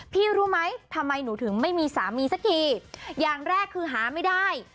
รู้ไหมทำไมหนูถึงไม่มีสามีสักทีอย่างแรกคือหาไม่ได้